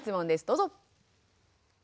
どうぞ！